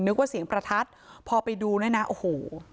นึกว่าเสียงประทัดพอไปดูเนี่ยนะโอ้โห